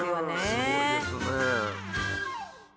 すごいですね。